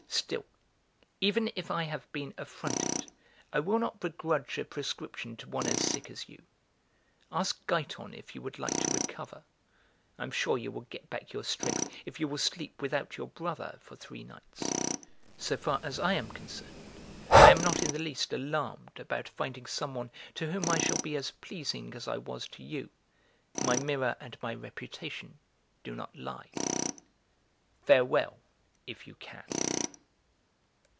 Still, even if I have been affronted, I will not begrudge a prescription to one as sick as you! Ask Giton if you would like to recover. I am sure you will get back your strength if you will sleep without your "brother" for three nights. So far as I am concerned, I am not in the least alarmed about finding someone to whom I shall be as pleasing as I was to you; my mirror and my reputation do not lie. Farewell (if you can).